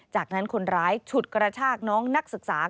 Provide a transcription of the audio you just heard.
จากนั้นคนร้ายฉุดกระชากน้องนักศึกษา